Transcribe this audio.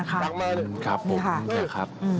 ครับผม